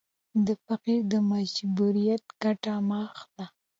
د فقیر د مجبوریت ګټه مه اخله.